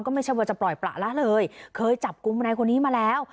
ก็ไม่เฉพาะจะปล่อยประละเลยเคยจับกุมในคนนี้มาแล้ว